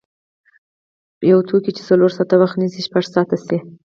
یو توکی چې څلور ساعته وخت نیسي شپږ ساعته شي.